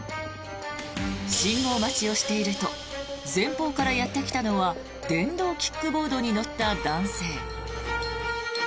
信号待ちをしていると前方からやってきたのは電動キックボードに乗った男性。